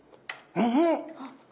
うん！